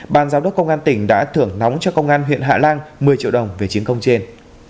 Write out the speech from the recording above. ban giám đốc công an tỉnh đã thưởng nóng cho công an huyện hạ lan một mươi triệu đồng về chiến công trên